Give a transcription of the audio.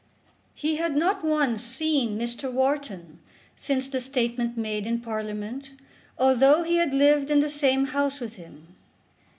He had not once seen Mr. Wharton since the statement made in Parliament, although he had lived in the same house with him.